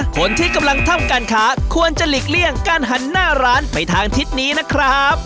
คนที่กำลังทำการค้าควรจะหลีกเลี่ยงการหันหน้าร้านไปทางทิศนี้นะครับ